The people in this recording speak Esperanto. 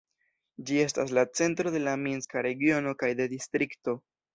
Ĝi estas la centro de la minska regiono kaj de distrikto.